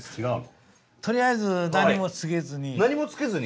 とりあえず何もつけずに。